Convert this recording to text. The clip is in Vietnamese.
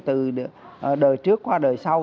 từ đời trước qua đời sau